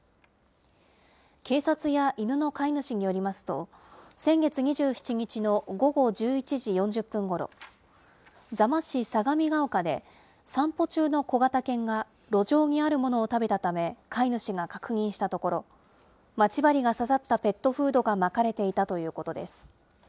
警察や犬の飼い主によりますと、先月２７日の午後１１時４０分ごろ、座間市相模が丘で、散歩中の小型犬が路上にあるものを食べたため、飼い主が確認したところ、待ち針が刺さったペットフードがまかれていたということです。